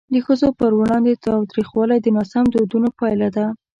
د ښځو پر وړاندې تاوتریخوالی د ناسم دودونو پایله ده.